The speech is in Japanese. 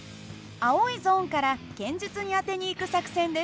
青いゾーンから堅実に当てにいく作戦です。